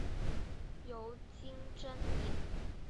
尤金真蚓。